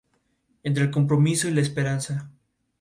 Entre el compromiso y la esperanza.